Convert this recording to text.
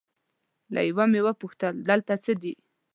له یوه مې وپوښتل دلته څه دي؟